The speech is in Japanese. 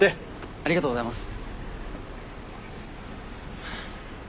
ありがとうございます。